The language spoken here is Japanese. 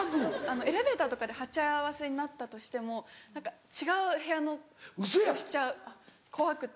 エレベーターとかで鉢合わせになったとしても違う部屋の押しちゃう怖くて。